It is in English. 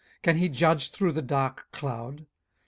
can he judge through the dark cloud?